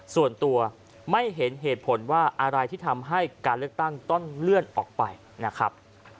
ส่วนตัวไม่เห็นเหตุผลว่าอะไรที่ทำให้การเลือกตั้งต้องเลื่อนออกไปนะครับ